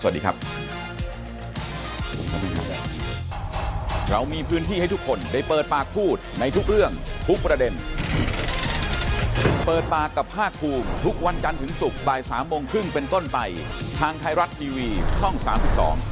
วันนี้หมดเวลาของเปิดปากกับภาคภูมิครับลาไปก่อนครับสวัสดีครับ